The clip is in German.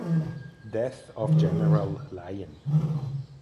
Death of General Lyon.